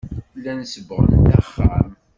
Llan sebbɣen-d axxam.